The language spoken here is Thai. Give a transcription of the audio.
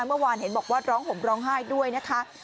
เมื่อวานเห็นบอกว่าร้องห่มร้องไห้ด้วยนะคะ